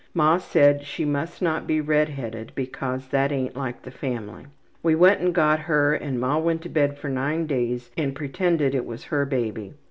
Ma said she must not be redheaded because that ain't like the family. We went and got her and ma went to bed for nine days and pretended it was her baby.